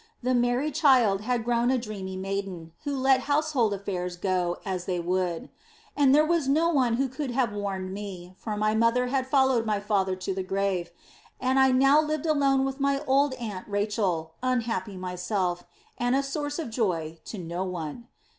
The merry child had grown a dreamy maiden, who let household affairs go as they would. And there was no one who could have warned me, for my mother had followed my father to the grave; and I now lived alone with my old aunt Rachel, unhappy myself, and a source of joy to no one.